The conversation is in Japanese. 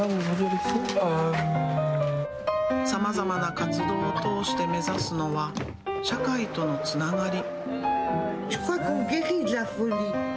さまざまな活動を通して目指すのは、社会とのつながり。